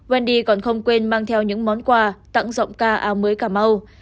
wendy còn không quên mang theo những món quà tặng giọng ca áo mới cảm ơn